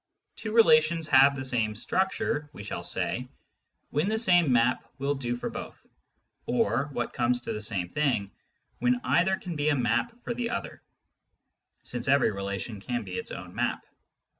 Two relations have the same " structure," we shall say, when the same map will do for both — or, what comes to the same thing, when either can be a map for the other (since every relation can be its own map).